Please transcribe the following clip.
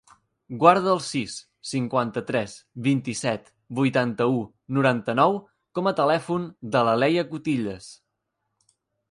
Guarda el sis, cinquanta-tres, vint-i-set, vuitanta-u, noranta-nou com a telèfon de la Leia Cutillas.